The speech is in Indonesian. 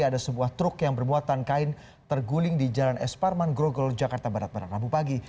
ada sebuah truk yang bermuatan kain terguling di jalan esparman groggol jakarta barat barat rambu pagi